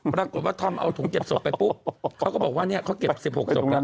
ปรากฏว่าธอมเอาถุงเก็บศพไปปุ๊บเขาก็บอกว่าเขาเก็บ๑๖ศพ